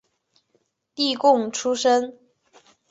例贡出身。